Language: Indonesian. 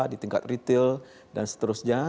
di tingkat retail dan seterusnya